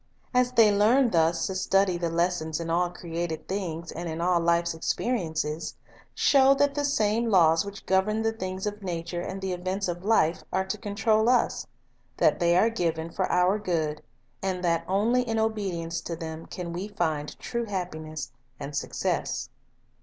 As they learn thus to study the lessons in all created things, and in all life's experiences, show that the same laws which govern the things of nature and the events of life are to control us ; that the)' are given for our good; and that only in obedience to them can we find true happiness and success.